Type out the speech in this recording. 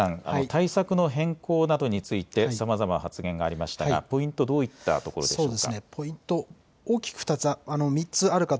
対策の変更などについてさまざまな発言がありましたがポイントどういったところでしょうか。